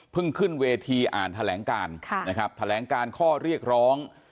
ขึ้นเวทีอ่านแถลงการนะครับแถลงการข้อเรียกร้อง